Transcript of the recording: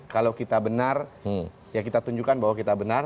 kalau kita benar ya kita tunjukkan bahwa kita benar